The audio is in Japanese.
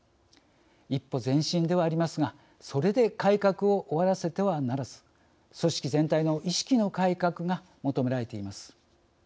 一歩前進ではありますがそれで改革を終わらせてはならず組織全体の意識の改革が求められています。